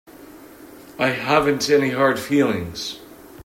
I haven't any hard feelings.